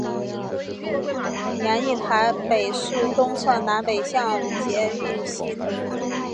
研议台北市东侧南北向捷运系统。